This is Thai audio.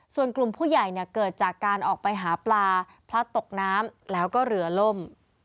ส่วนกลุ่มผู้ใหญ่เนี่ยเกิดจากการออกไปหาปลาพลัดตกน้ำแล้วก็เรือล่ม